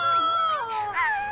ああ！